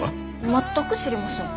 全く知りません。